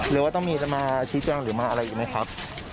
หรือว่าต้องมีจะมาชี้แจงหรือมาอะไรอีกไหมครับ